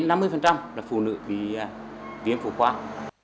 đến năm mươi là phụ nữ vì viêm phụ khoan